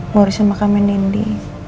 murah sama kami nindi